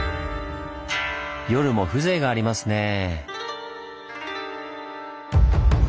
夜も風情がありますねぇ。